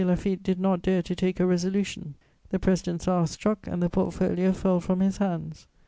Laffitte did not dare to take a resolution; the President's hour struck and the portfolio fell from his hands.